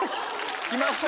来ました。